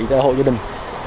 cho hộ gia đình